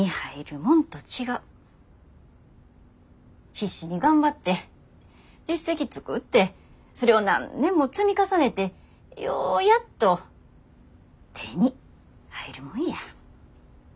必死に頑張って実績作ってそれを何年も積み重ねてようやっと手に入るもんや。